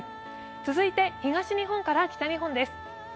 続いて、東日本から北日本です。